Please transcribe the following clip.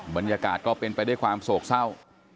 บรรยากาศก็เป็นไปด้วยความโศกเศร้า